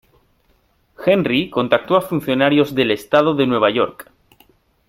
Henry contactó a funcionarios del estado de Nueva York.